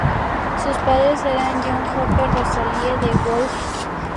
Sus padres eran John Hopper y Rosalie De Wolf.